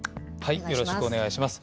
よろしくお願いします。